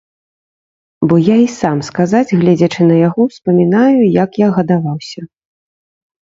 Бо я і сам, сказаць, гледзячы на яго, успамінаю, як я гадаваўся.